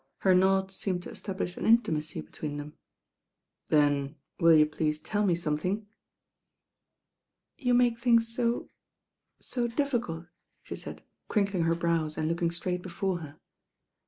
Her nod seemed to establish an inti macy between them. "Then will you please tell me something?" "You make things so— so difficult," she said crinkling her brows and looking straight before her.